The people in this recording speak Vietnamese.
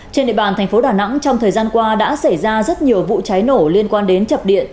trên địa bàn thành phố đà nẵng trong thời gian qua đã xảy ra rất nhiều vụ cháy nổ liên quan đến chập điện